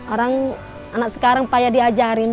orang anak sekarang payah diajarin